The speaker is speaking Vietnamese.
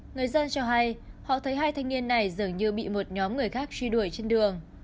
người dân cho hay họ thấy hai thanh niên này dường như bị một nhóm người khác truy đuổi trên đường